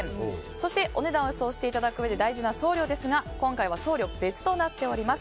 そして、お値段を予想していただくうえで大事な送料ですが今回は送料別となっております。